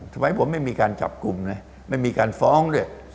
ยังไงผมไม่มีการจับกลุ่มหรอกไม่มีการฟ้องด้วย